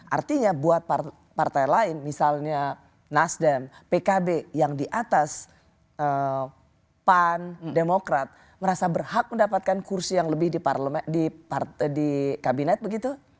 artinya buat partai lain misalnya nasdem pkb yang di atas pan demokrat merasa berhak mendapatkan kursi yang lebih di kabinet begitu